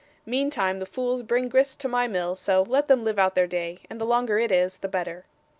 Meantime the fools bring grist to my mill, so let them live out their day, and the longer it is, the better.